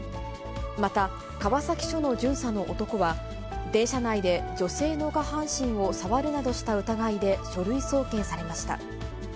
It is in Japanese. また、川崎署の巡査の男は、電車内で女性の下半身を触るなどした疑いで書類送検されました。